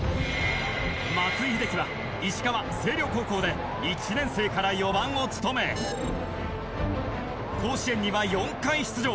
松井秀喜は石川星稜高校で１年生から４番を務め甲子園には４回出場。